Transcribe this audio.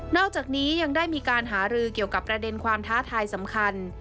อกจากนี้ยังได้มีการหารือเกี่ยวกับประเด็นความท้าทายสำคัญ